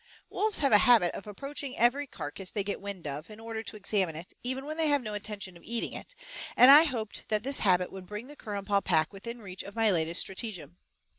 Wolves have a habit of approaching every carcass they get the wind of, in order to examine it, even when they have no intention of eating it, and I hoped that this habit would bring the Currumpaw pack within reach of my latest stratagem.